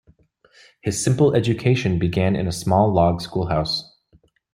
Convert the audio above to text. His simple education began in a small log schoolhouse.